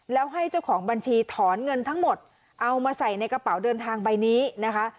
แล้วให้เจ้าของบัญชีถอนเงินทั้งหมดเอามาใส่ในกระเป๋าเดินทางใบนี้นะคะ